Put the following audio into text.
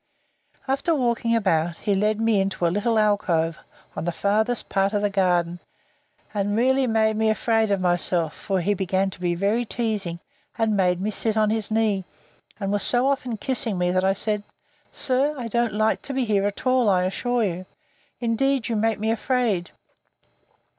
After walking about, he led me into a little alcove, on the farther part of the garden; and really made me afraid of myself, for he began to be very teasing, and made me sit on his knee; and was so often kissing me, that I said, Sir, I don't like to be here at all, I assure you. Indeed you make me afraid!